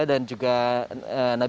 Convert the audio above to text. dan juga nadia